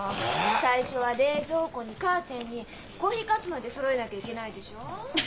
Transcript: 最初は冷蔵庫にカーテンにコーヒーカップまでそろえなきゃいけないでしょ？